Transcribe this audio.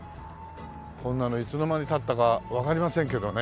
こんなのいつの間に建ったかわかりませんけどね。